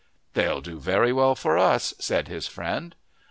"They'll do very well for us," said his friend.